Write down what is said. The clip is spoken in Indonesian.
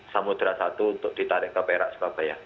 samudera satu untuk ditarik ke perak surabaya